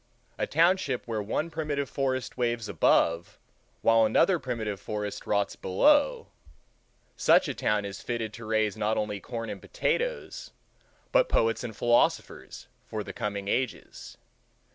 A township where one primitive forest waves above while another primitive forest rots below—such a town is fitted to raise not only corn and potatoes, but poets and philosophers for the coming ages.